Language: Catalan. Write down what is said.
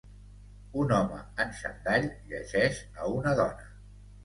Un home en xandall llegeix a una dona.